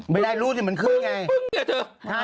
ไม่ได้รูดแต่มันขึ้นไง